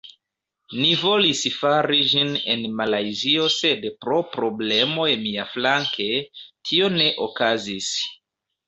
Ni volis fari ĝin en Malajzio sed pro problemoj miaflanke, tio ne okazis